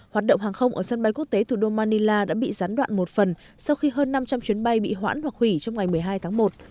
hoạt động hàng không ở sân bay quốc tế thủ đô manila đã bị gián đoạn một phần sau khi hơn năm trăm linh chuyến bay bị hoãn hoặc hủy trong ngày một mươi hai tháng một